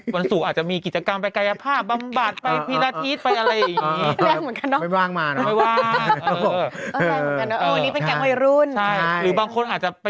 วันศุกร์อาจจะมีกิจกรรมไปกายภาพบำบัดไปทีละอาทิตย์ไปอะไรอย่างนี้